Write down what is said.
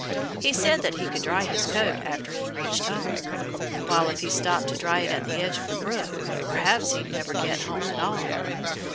He said that he could dry his coat after he reached home; while if he stopped to dry it at the edge of the brook perhaps he'd never get home at all.